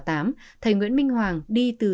thầy nguyễn minh hoàng đi từ